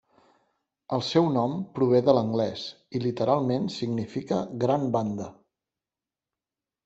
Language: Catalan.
El seu nom prové de l'anglès i literalment significa gran banda.